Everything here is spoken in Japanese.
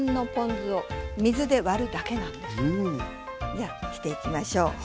じゃあしていきましょう。